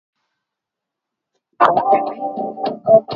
na hilo tusilirudie tena katika chaguzi zijazo